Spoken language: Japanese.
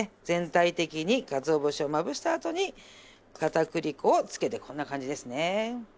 全体的にかつお節をまぶしたあとに片栗粉をつけてこんな感じですね。